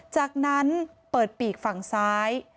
จากนั้นเปิดปีกฝั่งซ้าย